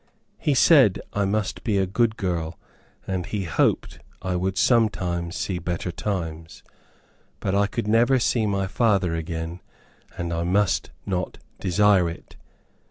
He said I must be a good girl, and he hoped I would sometime see better times, but I could never see my father again, and I must not desire it.